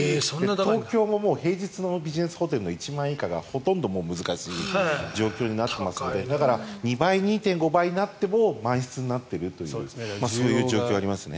東京も平日のビジネスホテルの１万円以下がほとんど難しい状況でだから２倍２．５倍になっても満室になっているという状況がありますね。